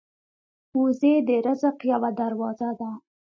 وزې د رزق یوه دروازه ده